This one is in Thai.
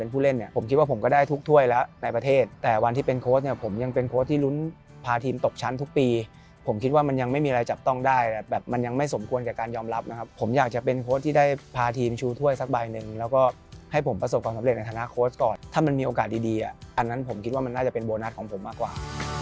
ผมคิดว่ามันยังไม่มีอะไรจับต้องได้มันยังไม่สมควรแก่การยอมรับผมอยากจะเป็นโค้ชที่ได้พาทีมชู้ถ้วยสักใบนึงแล้วก็ให้ผมประสบความสำเร็จในฐานะโค้ชก่อนถ้ามันมีโอกาสดีผมคิดว่ามันน่าจะเป็นโบนัสของผมมากกว่า